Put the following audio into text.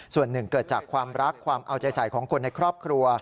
ส่วนหนึ่งเกิดจากความรักความเอาใจใส่ของคนในครอบครัว